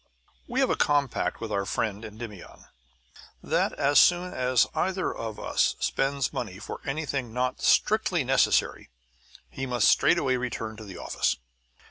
We have a compact with our friend Endymion that as soon as either of us spends money for anything not strictly necessary he must straightway return to the office.